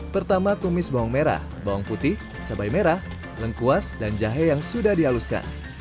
pertama tumis bawang merah bawang putih cabai merah lengkuas dan jahe yang sudah dihaluskan